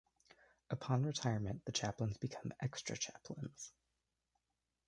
Upon retirement the chaplains become "Extra Chaplains".